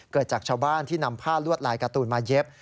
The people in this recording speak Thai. เกิดจากชาวบ้านที่นำผ้าลวดลายการ์ตูนมาเย็บ